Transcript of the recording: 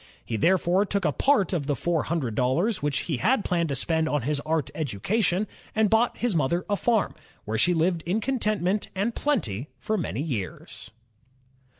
He therefore took a part of the four hundred dollars which he had planned to spend on his art education, and bought his mother a farm, where she lived in contentment and plenty for many years.